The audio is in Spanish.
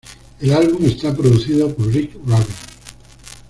El álbum está producido por Rick Rubin.